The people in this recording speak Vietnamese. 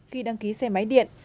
khi đăng ký xe máy điện